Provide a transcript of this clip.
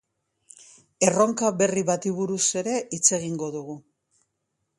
Erronka berri bati buruz ere hitz egingo dugu.